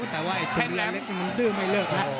แต่ว่าไอ้เช็ดแรงเล็กมันดื้อไม่เลิกแล้ว